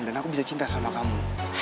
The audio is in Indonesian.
dan aku bisa cinta sama kamu